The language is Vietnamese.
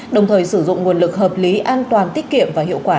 đồng thời sử dụng nguồn lực hợp lý an toàn tiết kiệm và hiệu quả